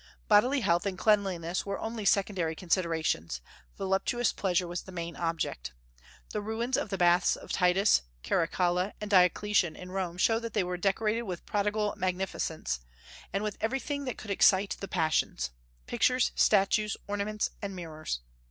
Bodily health and cleanliness were only secondary considerations; voluptuous pleasure was the main object. The ruins of the baths of Titus, Caracalla, and Diocletian in Rome show that they were decorated with prodigal magnificence, and with everything that could excite the passions, pictures, statues, ornaments, and mirrors.